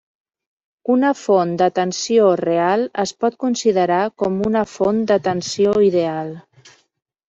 Una font de tensió real es pot considerar com una font de tensió ideal.